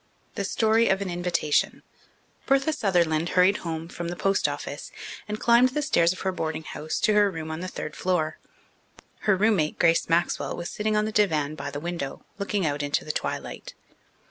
The Story of an Invitation Bertha Sutherland hurried home from the post office and climbed the stairs of her boarding house to her room on the third floor. Her roommate, Grace Maxwell, was sitting on the divan by the window, looking out into the twilight.